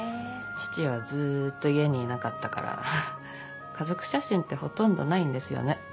父はずっと家にいなかったから家族写真ってほとんどないんですよね。